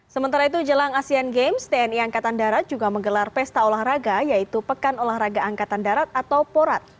sementara itu jelang asean games tni angkatan darat juga menggelar pesta olahraga yaitu pekan olahraga angkatan darat atau porat